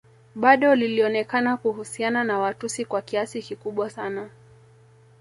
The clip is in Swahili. Bado lilionekana kuhusiana na Watusi kwa kiasi kikubwa sana